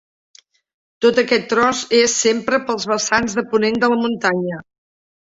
Tot aquest tros és sempre pels vessants de ponent de la muntanya.